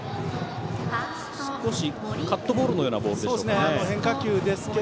少しカットボールのようなボールでしたか。